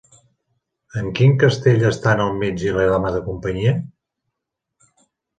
En quin castell estan el metge i la dama de companyia?